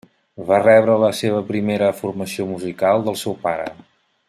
Va rebre la seva primera formació musical del seu pare.